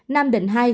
nam định hai